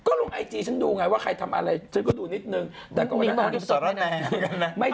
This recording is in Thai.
ก็ลงไอจีฉันดูไงว่าใครทำอะไร